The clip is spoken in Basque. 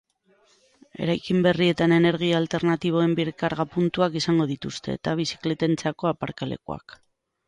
Eraikin berrietan energia alternatiboen birkarga puntuak izango dituzte, eta bizikletentzako aparkalekuak.